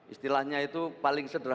istilahnya itu paling sederhana